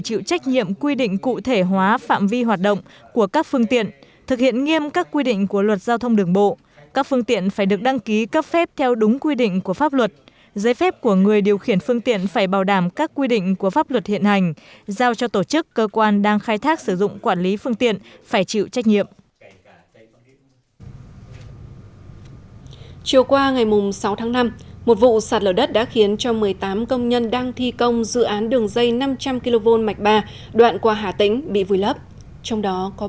trong thời gian qua ngày sáu tháng năm một vụ sạt lở đất đã khiến cho một mươi tám công nhân đang thi công dự án đường dây năm trăm linh kv mạch ba đoạn qua hà tĩnh bị vùi lấp trong đó có ba người tử vong